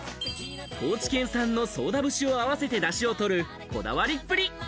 高知県産の宗田節を合わせて、だしをとるこだわりっぷり。